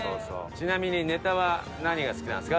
ちなみにネタは何が好きなんですか？